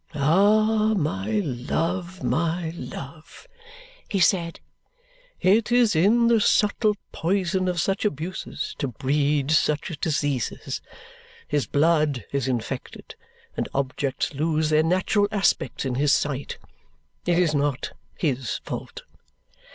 "Ah, my love, my love," he said, "it is in the subtle poison of such abuses to breed such diseases. His blood is infected, and objects lose their natural aspects in his sight. It is not HIS fault."